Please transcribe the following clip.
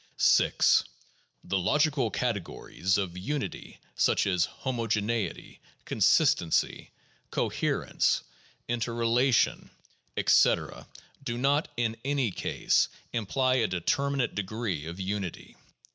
6. The logical categories of unity, such as homogeneity, consist ency, coherence, interrelation, etc., do not in any case imply a de terminate degree of unity.